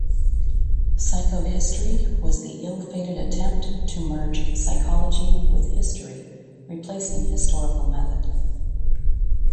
Psychohistory was the ill-fated attempt to merge psychology with history, replacing historical method.